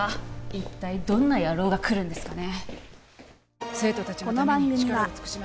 一体どんな野郎が来るんですかね